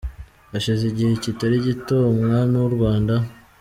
Hashize igihe kitari gito, umwami w’u Rwanda